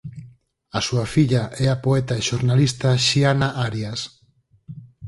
A súa filla é a poeta e xornalista Xiana Arias.